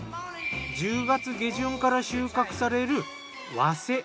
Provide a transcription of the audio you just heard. １０月下旬から収穫される早生。